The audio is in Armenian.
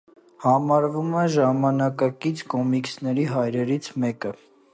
Համարվում է ժամանակակից կոմիքսների «հայրերից» մեկը։